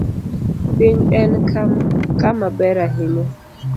Piny en kama ber ahinya.